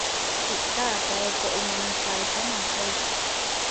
Iʼká aatáe koʼimáne paiká mahói.